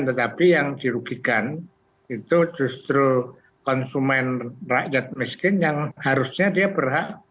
tetapi yang dirugikan itu justru konsumen rakyat miskin yang harusnya dia berhak